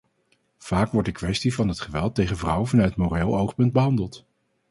Vaak wordt de kwestie van het geweld tegen vrouwen vanuit moreel oogpunt behandeld.